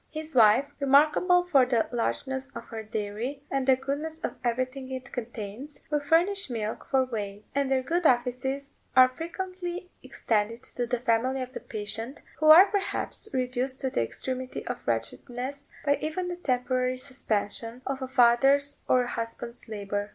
His wife, remarkable for the largeness of her dairy, and the goodness of everything it contains, will furnish milk for whey; and their good offices are frequently extended to the family of the patient, who are, perhaps, reduced to the extremity of wretchedness, by even the temporary suspension of a father's or a husband's labour.